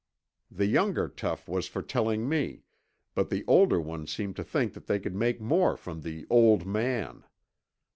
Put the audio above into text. The younger tough was for telling me, but the older one seemed to think they could make more from the 'old man.'